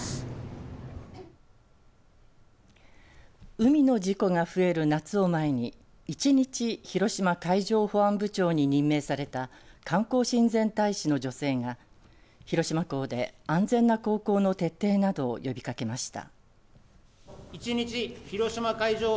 海の事故が増える夏を前に１日広島海上保安部長に任命された観光親善大使の女性が広島港で安全な航行の徹底などを呼びかけました。